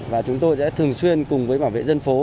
và chúng tôi sẽ thường xuyên cùng với bảo vệ dân phố